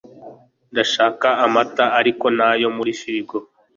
ndashaka amata, ariko ntayo muri firigo